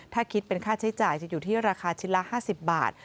ถ้าคิดเป็นค่าใช้จ่ายจะอยู่ที่ราคาชิ้นละ๕๐บาท